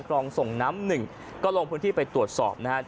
รองส่งน้ำหนึ่งก็ลงพื้นที่ไปตรวจสอบนะครับ